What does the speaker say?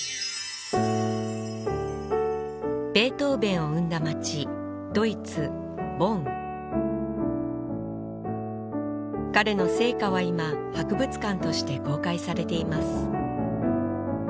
ベートーヴェンを生んだ街ドイツボン彼の生家は今博物館として公開されています